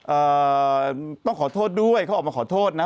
เอ่อต้องขอโทษด้วยเขาออกมาขอโทษนะ